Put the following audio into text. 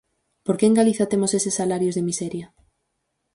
¿Por que en Galiza temos eses salarios de miseria?